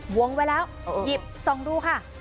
วงไว้แล้วหยิบส่องดูค่ะ